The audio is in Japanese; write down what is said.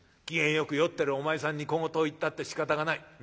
機嫌よく酔ってるお前さんに小言を言ったってしかたがない。